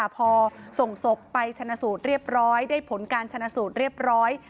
พอส่งศพไปชนะสูตรเรียบร้อยได้ผลการชนะสูตรเรียบร้อย